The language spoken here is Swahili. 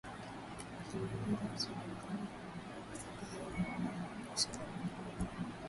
Washambuliaji wasiojulikana waliokuwa na silaha wamewaua wanajeshi kumi na mmoja